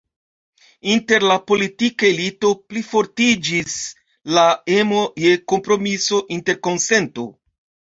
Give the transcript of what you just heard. Inter la politika elito plifortiĝis la emo je kompromiso, interkonsento.